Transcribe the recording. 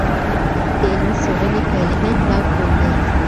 د علمي څېړني پیلنی پړاو کوم دی؟